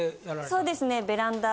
そうですねベランダ。